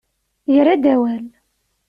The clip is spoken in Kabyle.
Yerra-d awal.